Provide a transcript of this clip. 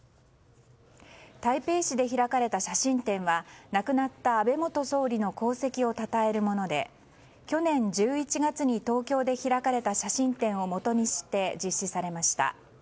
台北市で開かれた写真展は亡くなった安倍元総理の功績をたたえるもので去年１１月に東京で開かれた写真展をもとにして実施されました。